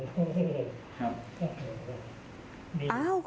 ทำนะมันก็จะเข้าอย่างนี้